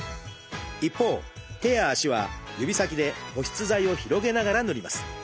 一方手や足は指先で保湿剤を広げながら塗ります。